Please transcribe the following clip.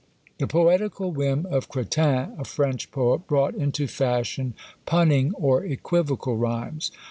The poetical whim of Cretin, a French poet, brought into fashion punning or equivocal rhymes.